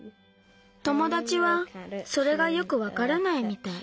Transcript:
ともだちはそれがよくわからないみたい。